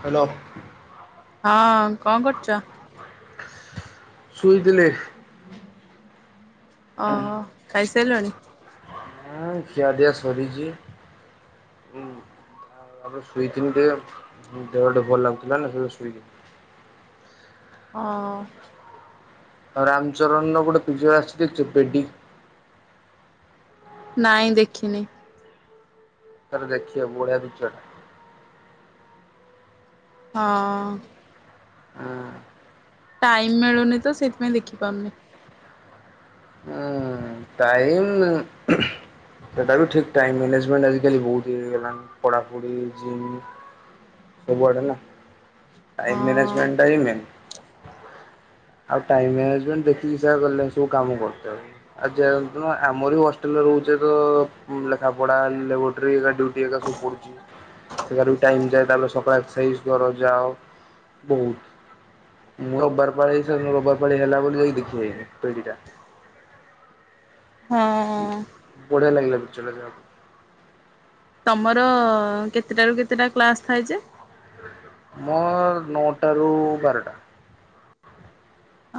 Hello. ହଁ, କଣ କରୁଚ? ଶୁଇଥିଲି। ଅ ହ, ଖାଇସାଇଲଣି? ହଁ, ଖିଆପିଆ ସରିଛି। ହୁଁ। ମୋର ଶୁଇଥିନି ଯେ, ଦେହଟେ ଭଲ ଲାଗୁଥିଲା ନା। ସେ ଯଉ ଶୁଇ ହଁ। ଆଉ ରାମଚରଣର, ଗୋଟେ ଫିଜିଓ ଆସିଚି ଦେଖିଚ। ପେଡି। ନାଇଁ, ଦେଖିନି। ଥରେ ଦେଖିବ, ବଢିଆ ପିକ୍ଚର ଟା। ହଁ। ହ। ଟାଇମ୍ ମିଳୁନି ତ, ସେଇଥିପାଇଁ ଦେଖିପାରୁନି। ହୁଁ, ଟାଇମ୍ ସେ ଟା ବି ଠିକ୍ ଟାଇମ୍ ମ୍ୟାନେଜମେଣ୍ଟ ଆଜିକାଲି ବହୁତ ଇଏ ହେଇଗଲାଣି। ପଢାପଢି, ଜିମ୍ ସବୁଆଡେ ନା, ଟାଇମ୍ ହଁ ମ୍ୟାନେଜମେଣ୍ଟ ଟା ହି ମେନ୍। ଆଉ ଟାଇମ ମାନେଜମେଣ୍ଟ ଦେଖିକି ସେଇଆକାଳେ, ସବୁ କାମ କରୁତେ ଆ ଯାଆନ୍ତୁ, ଆମର ବି ହଷ୍ଟେଲରେ ରହୁଛେ। ତ-ଅ ଲେଖା ପଢା, ଲାବୋଟ୍ରି ଏଇ ହେକା ସବୁ ପଡୁଛି। ସେଆଡେ ବି ଟାଇମ୍ ଯାଏ। ତା'ପରେ ସକାଳ ଏକ୍ସାଇଜ ଦରଜାଅ, ବହୁତ। ମୁଁ ରବ୍ ବାର ପାଳେଇ। ରବ୍ ବାର ପଳେଇ ହେଲା ବୋଲି। ଯାଇକି ଦେଖି ଆଇନି ପେଢୀଟା। ହଁ। ବଢିଆ ଲାଗିଲା। ପିକ୍ଚର ରା ଯାହଉ। ତମର, କେତେଟାରୁ କେତେଟା କ୍ଲାସ୍ ଥାଏ ଯେ? ମୋର୍ ନଅଟାରୁ ବାରଟା।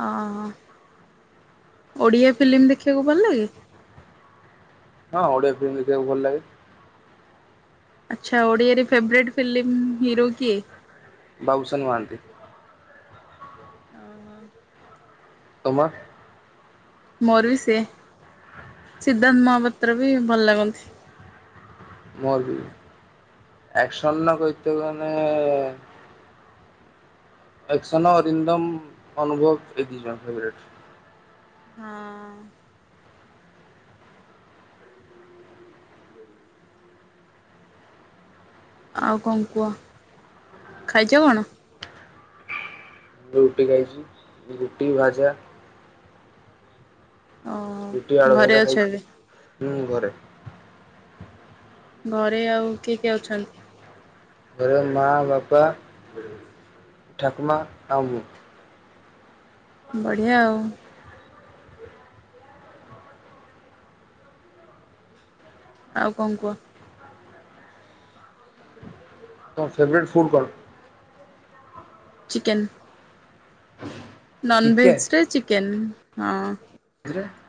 ଅ, ହଁ। ଓଡିଆ ଫିଲ୍ମୀ ଦେଖିବାକୁ ଭଲ ଲାଗେ? ହଁ, ଓଡିଆ ଫିଲ୍ମ ଦେଖିବାକୁ ଭଲ ଲାଗେ। ଆଚ୍ଛା, ଓଡ଼ିଆରେ ଫେବରେଟ୍ ଫିଲ୍ମି ହିରୋ କିଏ? ବାବୁଶାନ୍ ମହାନ୍ତି। ଅ ହଁ। ତମା ମୋର ବି ସେ। ସିଦ୍ଧାର୍ଥ ମହାପାତ୍ର ବି ଭଲ ଲାଗନ୍ତି। ମରବି। ଆକ୍ସନ ନ କଇତେ ମାନେ ଆକ୍ସନ ଅରିନ୍ଦମ, ଅନୁଭବ ଏ ଦି ଜଣ ଫେଭ୍ ରେଟ୍। ହଁ। ଆଉ କଣ କୁହ, ଖାଇଚ କଣ? ରୁଟି ଖାଇଚି। ରୁଟି, ଭାଜା। ଓ ରୁଟି ଆଳୁ ଘରେ ଭଜା ଅଛ ଖାଇଚି। ଏବେ? ହୁଁ ଘରେ। ଘରେ ଆଉ କିଏ କିଏ ଅଛନ୍ତି? ଘରେ ମା, ବାପା, ଠାକୁମା, ଆଉ ମୁଁ। ବଢ଼ିଆ ଆଉ। ଆଉ କଣ କୁହ? ତମ ଫେବ୍ରେଟ୍ ଫୁ୍ଡ୍ କଣ? ଚିକେନ୍। ନନ ଚିକେନ୍ ଭେଜ୍ ରେ ଚିକେନ୍ ହଁ। [unintelligible]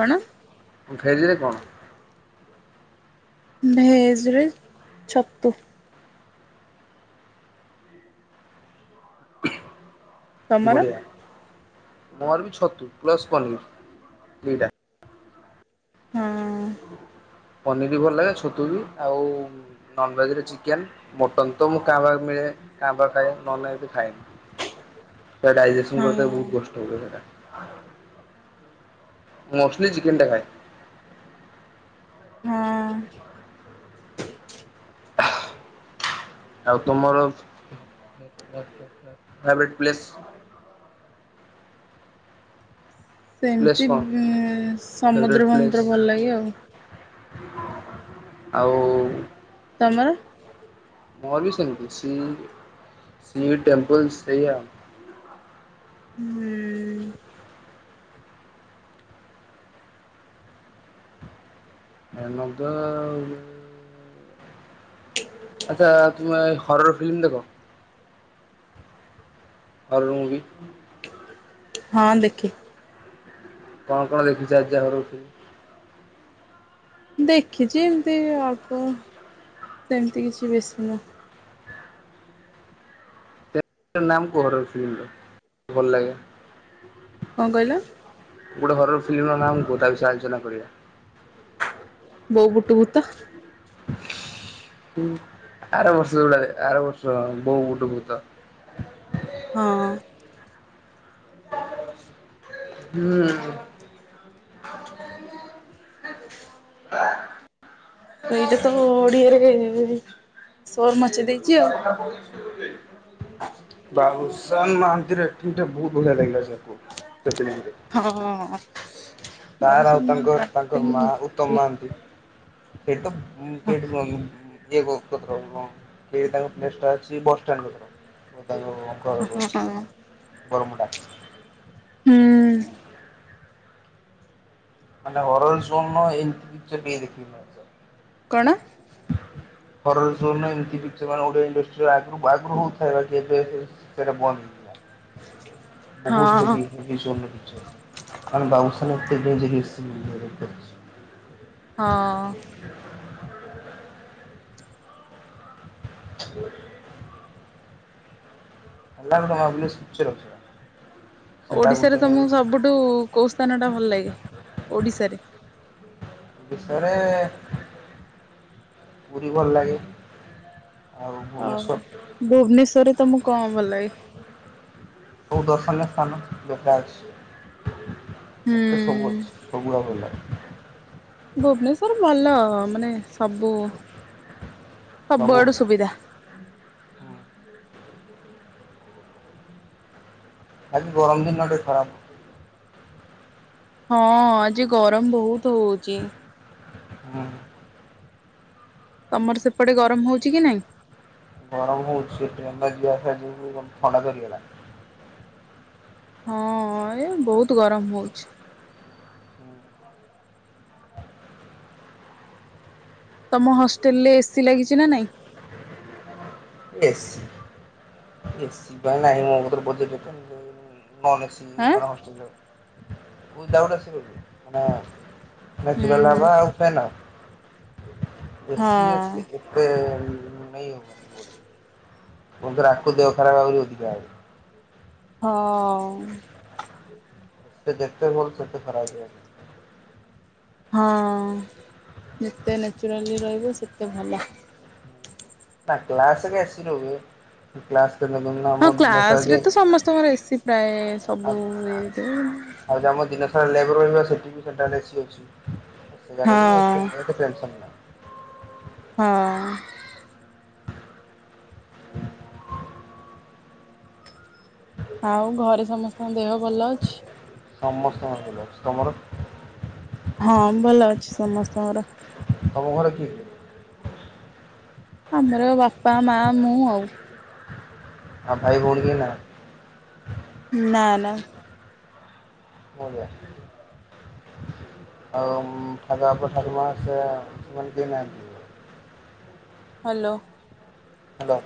କଣ? [unintelligible] କଣ? ଭେଜ ରେ ଛତୁ। ତମର ବଢିଆ ମୋର ବି ଛତୁ ପ୍ଲସ ପନିର ଦିଟା। ହଁ। ପନିର୍ ବି ଭଲ ଲାଗେ ଛତୁ ବି ଆଉ ନନ୍ ଭେଜ୍ ରେ ଚିକେନ୍। ମଟନ୍ ତ ମୁଁ କାଁ ଭାଁ ମିଳେ କାଁ ଭା ଖାଏ ନହେଲେ ନାଇଁ ମୁଁ ଏମିତି ଖାଏନି ସେ ଡାଇଯେସ ସନ୍ ହଁ ଗୋଟେ ବହୁତ କଷ୍ଟ ହୁଏ ସେଇଟା ମୁଁ [unintelligible] ଚିକେନ ଟା ଖାଏ। ହଁ। ଆଉ ତମର ପ୍ରାଇଭେଟ୍ ପ୍ଲେସ? ପ୍ଲେସ୍ ସେମିତି କଣ? ଫେବରେଟ୍ ସମୁଦ୍ର ପ୍ଲେସ୍ ଫମୁଦ୍ର ଭଲ ଲାଗେ ଆଉ। ଆଉ ତମର? ମୋର ବି ସେମିତି ସି ସି ଟେମ୍ପଲସ ସେଇଆଉ। ହୁଁ। ଆନନ୍ଦ ଆଉ। ଆଚ୍ଛା ତୁମେ ହରର ଫିଲ୍ମ ଦେଖ? Horror movie. ହଁ ଦେଖେ। କଣ କଣ ଦେଖିଚ ଆଜି ଆଉ ହରର୍ [unintelligible] ଦେଖିଚି ଏମତି ଅଳ୍ପ ସେମିତି କିଛି ବେଶୀ ନୁହଁ। ନା ମୁଁ କୋଉ ହରର୍ ଫିଲ୍ମର ଭଲ ଲାଗେ। କଣ କହିଲ? ଗୋଟେ ହରର ଫିଲ୍ମ ର ନାଁ ଗୋତାଲ ତା ବିଷୟରେ ଆଲୋଚନା କରିବା। ବୋଉ ବୁଟୁ ଭୂତ। ଆର ବର୍ଷ ବେଳେ ଆର ବର୍ଷ ବୋଉ ବୁଟୁ ଭୂତ। ହଁ। ହୁଁ। ହ [inaudible] ଏଇଟା ତ ଓଡିଆରେ ସୋର ମା ା [inaudible] ବାବୁଶାନ୍ ମହାନ୍ତି ର ଏ ଫିଲ୍ମ ଟା ବହୁତ ବଢିଆ ଲାଗିଲା ଦେଖୁ ହଁ। ତାର ଆଉ ବାବୁସାନ ମହାନ୍ତ ତାଙ୍କ ତାଙ୍କ ମା ରାଟିଂ ଉତ୍ତମ ହୁଁ ମହାନ୍ତି। [unintelligible] ଦିଲ ଟାକ ପ୍ଲେସ ଟା ଅଛି ବସଷ୍ଟାଣ୍ଡ ପାଖରେ ବରମୁଣ୍ଡା। ମାନେ ହରର ବମ ଏଇ ସେଟିକି ଦେଖିବ। କଣ? [unintelligible] ହ ଜୋ ନା ଏମିତି ସେମାନେ ଓଆ ଇଣ୍ଡଷ୍ଟିର ଆଗରୁ ଆଗରୁ ହଉଥ ଯେବେ ସେରେ ବନ୍ଦ ଥିଲା। ବହୁତ ହଁ ହଁ ହେଭି ହେଭି [unintelligible] ବାବୁସାନ। ସ। ହଁ। ହ। ଆଲ୍ଲ ର ବୋଲି ସୂଚଛ ରଖିବା। ଓଡିଶାରେ ତମକୁ ସବୁଠୁ କୋଉ ସ୍ଥାନ ଟା ଭଲ ଲାଗେ ଓଡିଶାରେ ବିଷରେ ପୁରୀ ଭଲ ଲାଗେ। ଆଉ ଓ ହୋ ଭୁବନେଶ୍ଵର ଭୁବନେଶ୍ୱରରେ ତମୁକୁ କଣ ଭଲାଗେ। କୋଉ ଦର୍ଶନୀୟ ସ୍ଥାନ ଦେଖା ଅଛି। ଏତେ ହୁଁ ସବୁ ଅଛି [unintelligible] ଭୁବନେଶ୍ବର ଭଲ ମାନେ ସବୁ ସବୁ ସବୁଆଡୁ ସୁବିଧା। [unintelligible] ହଁ ଆଜି ଗରମ ବହୁତ ହଉଚି। ହୁଁ। ତମର ସେପଟେ ଗରମ ହଉଚି କି ନାଇଁ। ଗରମ ହଉଛି ଟ୍ରେନରେ [unintelligible] ଥଣ୍ଡା ଧରିଗଲା। ହଁ ଏ ବହୁତ ଗରମ ହଉଛି। ତମ ହଷ୍ଟେଲ ରେ ଏସି ଲାଗିଚି ନା ନାଇଁ। ଏସ୍ଏସି ପା ନାହିଁ [unintelligible] ନନ୍‌ଏସି। ଆଁ [unintelligible] ହୁଁ ନ୍ୟାଚୁରାଲ ହବା ହୁଁ ଆଉ ସ୍ପେନର ବେସି ହଁ [unintelligible] [unintelligible] ପୁନଥରେ ଆକୁ ଦେହ ଖରାପ ହବ ବୋଲି ଅଧିକା [unintelligible] ହଁ। ସେ ଯେତେ ଭଲ ସେତେ ଖରାପ [unintelligible] ହଁ ଯେତେ ନେଚୁରାଲି ରହିବ ସେତେ ଭଲ। ନା କ୍ଲାସ ରେ ଏସି ରୁହେ। କ୍ଲାସ। [unintelligible] ହଁ କ୍ଲାସ ଯେ ରେ ତ ସମସ୍ତଙ୍କର ଏସି ପ୍ରାୟ ସବୁ ଇଏ ରେ ଆଉ ଯୋଉ ଆମ ଦିନସାରା ଲେବର ରହିବେ ସେଠିବି ସେଣ୍ଟ୍ରାଲ ଏସି ହଁ ହେଇଚି [unintelligible] ଟେନସନ ନା। ହଁ। ହୁଁ। ଆଉ ଘରେ ସମସ୍ତଙ୍କ ଦେହ ଭଲ ଅଛି। ସମସ୍ତଙ୍କର ଭଲ ଅଛି ତମର। ହଁ ଭଲ ଅଛି ସମସ୍ତଙ୍କର। ଆମ ଘର କିଏ କିଏ? ଆମର ବାପା ମା ମୁଁ ଆଉ। ଆଉ ଭାଇ ଭଉଣୀ କେହି ନାହାନ୍ତି। ନା ନା। ବଢିଆ। ଆଉ [unintelligible] ସେ ସେମାନେ କେହି ନାହାନ୍ତି। ହ୍ୟାଲୋ। ହ୍ୟାଲୋ।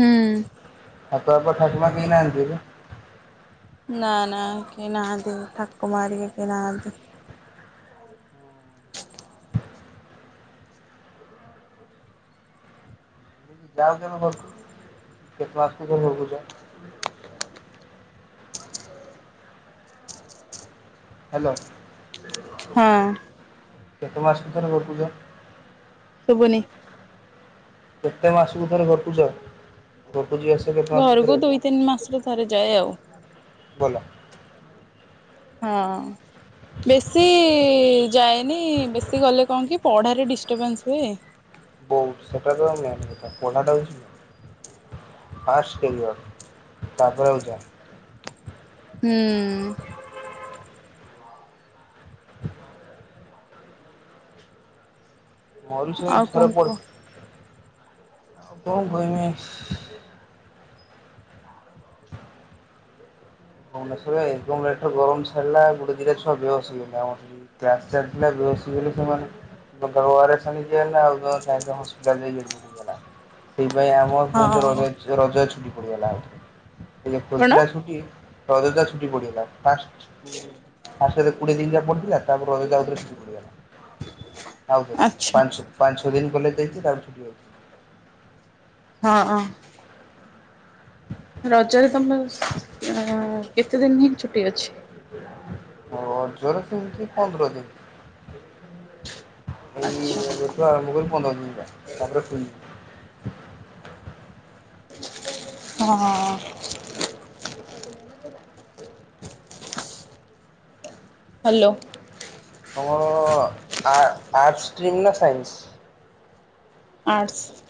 ହୁଁ। ଠାକୁ ବାପା ଠାକୁମା କେହି ନାହାନ୍ତି ପା। ନା ନା କେହି ନାହାନ୍ତି ଠାକୁମା ହେରିକା କେହି ନାହାନ୍ତି। [unintelligible] ହ୍ୟାଲୋ। ହଁ। କେତେ ମାସ କୁ ଥରେ ‌ଘରକୁ‌ ଯାଅ? ଶୁବୁନି। କେତେ ମାସକୁ ଥରେ ଘରକୁ ଯାଅ ଘରକୁ ଯିବା ଆସ ଘରକୁ ଦୁଇ ତିନି ମାସରେ ଥରେ ଯାଏ ଆଉ। ଭଲ। ହଁ। ବେଶୀ ଯାଏନି ବେଶୀ ଗଲେ କଣ କି ପଢ଼ାରେ ଡିଷ୍ଟର୍ବାନ୍ସ ହୁଏ। ବହୁତ ସେଟା ତ ମେନ୍ କଥା ପଢ଼ାଟାହଉଛି ପାଷ୍ଟ [unintelligible] ତାପରେ ଆଉ ଯାହା ହୁଁ। ହୁଁ। ଆଉ କଣ କୁହ [unintelligible] ଆଉ କଣ କହିମି? ଭୁବନେଶ୍ୱରରେ ଏଗମ ରେଟର ଗରମ ଛାଡ଼ିଲା ଗୋଟେ ଦିଟା ଛୁଆ ବେହୋସ୍ ହୋଇଗଲା ଆମ ଟାସ୍କ ଚଲିଥିଲା ବସ ବୋଲି ସେମାନଙ୍କୁ [unintelligible] ମୋର ହଁ। ଥରେ ରଜରେ ଛୁଟି ପଡ଼ିଗଲା ଆହୁରି କଣ? ଖୋଲିଥିଲା ଛୁଟି ରଜଟା ଛୁଟି ପଡ଼ିଗଲା ଫାଷ୍ଟ କୁ ଫାଷ୍ଟ କୋଡ଼ିଏ ଦିନ ଯାଏ ପଡ଼ିଥିଲା ତାପରେ ରଜ [unintelligible] ଆଉ ଥରେ ଆଚ୍ଛା ପାଞ୍ଚ ପାଞ୍ଚ ଛ ଦିନ କଲେଜ ଯାଇଛି ତାପରେ ଛୁଟି [unintelligible] ହଁ ହ ରଜରେ ତମର କେତେ ଦିନ ହିଁ ଛୁଟି ଅଛି? ରଜରେ ସେମିତି ପନ୍ଦର ଦିନ ଏଇ ଆଚ୍ଛା ଏବେଠୁ ଆରମ୍ଭ କରି ପନ୍ଦର ଦିନିଯାଏ ତାପରେ ଶୁନ ହଁ ହ୍ୟାଲୋ ତମ ଆର୍ଟ ଆର୍ଟସ୍ ଷ୍ଟ୍ରିମ୍ ନା ସାଇନ୍ସ? ଆର୍ଟସ୍।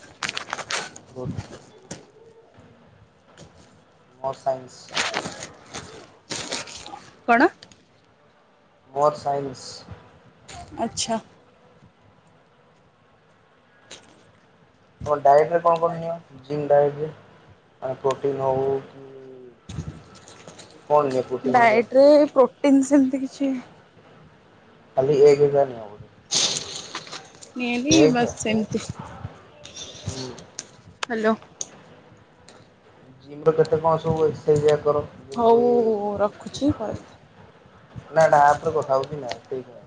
ବହୁତ୍ ମୋର ସାଇନ୍ସ କଣ? ବଥ୍ ସାଇନ୍ସ ଆଚ୍ଛା। ତମ ଡାଏଟ୍ ରେ କଣ କଣ ନିିଅ ଜିମ୍ ଡାଏଟ ରେ ମାନେ ପ୍ରୋଟିନ୍ ହଉ କି କଣ ନିଅ ପ୍ରୋଟିନ୍ ଡାଏଟ୍ ରେ ପ୍ରୋଟିନ୍ ସେମତି କିଛି କାଲି [unintelligible] ମେ ବି ଏଗ୍ ବସ୍ ସେମିତି ହୁଁ। ହ୍ୟାଲୋ। ଜିମ୍ ର କେତେ କଣ ସବୁ ଏକ୍ସରସାଇଜ୍ କର? ହଉ ଯେମିତି ରଖୁଛି ପରେ କଥା ହବ। ନା ନା ଆପ୍ ରେ କଥା ହଉଛି ନା ସେଇଟା